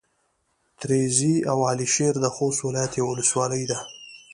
تريزي او على شېر د خوست ولايت يوه ولسوالي ده.